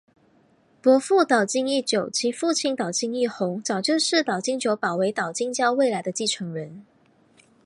伯父岛津义久及父亲岛津义弘早就视岛津久保为岛津家未来的继承人。